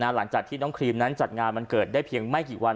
หลังจากที่น้องครีมนั้นจัดงานวันเกิดได้เพียงไม่กี่วัน